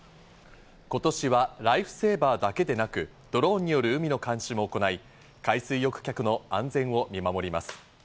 今年はライフセーバーだけでなく、ドローンによる海の監視も行い、海水浴客の安全を見守ります。